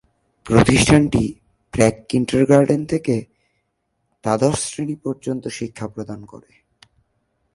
প্রতিষ্ঠানটি প্রাক কিন্ডারগার্টেন থেকে দ্বাদশ শ্রেণী পর্যন্ত শিক্ষা প্রদান করে।